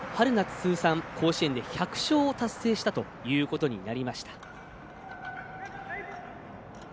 通算、甲子園で１００勝を達成したことになりました。